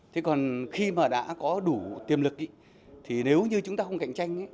thế còn khi mà đã có đủ tiềm lực thì nếu như chúng ta không cạnh tranh